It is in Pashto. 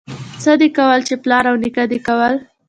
څه دي کول، چې پلار او نيکه دي کول.